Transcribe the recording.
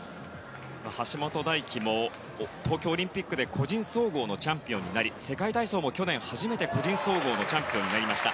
橋本大輝も東京オリンピックで個人総合のチャンピオンになり世界体操も去年初めて個人総合のチャンピオンになりました。